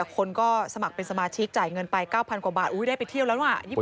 คนก็สมัครเป็นสมาชิกจ่ายเงินไป๙๐๐กว่าบาทได้ไปเที่ยวแล้วนะ